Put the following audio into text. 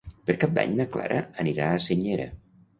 Per Cap d'Any na Clara anirà a Senyera.